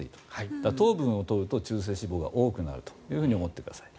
だから、糖分を取ると中性脂肪が多くなると思ってください。